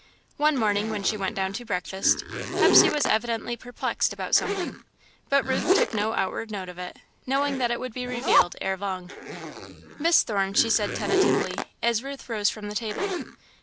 One morning, when she went down to breakfast, Hepsey was evidently perplexed about something, but Ruth took no outward note of it, knowing that it would be revealed ere long. "Miss Thorne," she said, tentatively, as Ruth rose from the table.